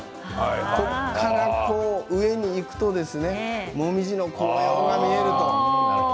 ここから上にいくともみじの紅葉が見えると。